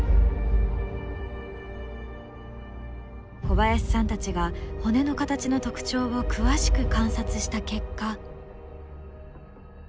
小林さんたちが骨の形の特徴を詳しく観察した結果。